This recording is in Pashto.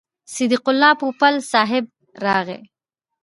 صدیق الله پوپل صاحب راغی.